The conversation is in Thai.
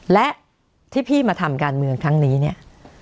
และที่พี่มาทำการเมืองครั้งนี้เนี่ย